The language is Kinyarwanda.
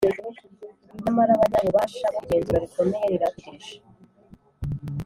nyamara abanyabubasha bo, igenzurwa rikomeye rirabategereje.